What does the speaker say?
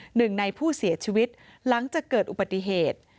หนึ่งในผู้เสียชีวิตหลังจากเกิดอุบัติเหตุ